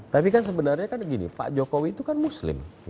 tapi kan sebenarnya pak jokowi itu kan muslim